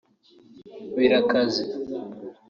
‘Birakaze’